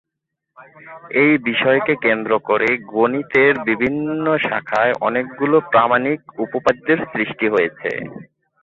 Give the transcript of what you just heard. এই বিষয়কে কেন্দ্র করে গণিতের বিভিন্ন শাখায় অনেকগুলো প্রামাণিক উপপাদ্যের সৃষ্টি হয়েছে।